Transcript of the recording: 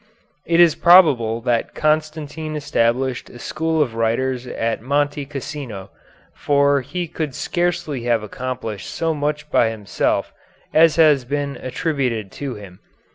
It is probable that Constantine established a school of writers at Monte Cassino, for he could scarcely have accomplished so much by himself as has been attributed to him.